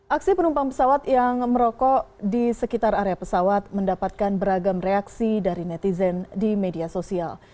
aksi penumpang pesawat yang merokok di sekitar area pesawat mendapatkan beragam reaksi dari netizen di media sosial